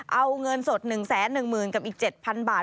เอาเงินสด๑แสน๑หมื่นกับอีก๗พันบาท